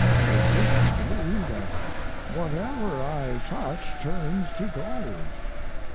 It seems to me that whatever I touch turns to gold."